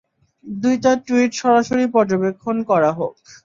দুইটা টুইট সরাসরি পর্যবেক্ষণ করা হোক।